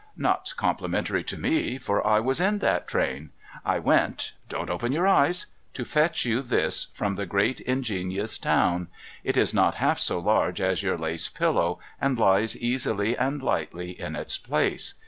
' Not complimentary to me, for I was in that train. I went — don't open your eyes — to fetch you this, from the great ingenious town. It is not half so large as your lace pillow, and lies easily and lightly in its place.